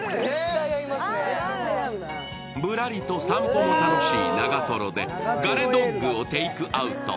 ぶらりと散歩も楽しい長瀞でガレドッグをテイクアウト。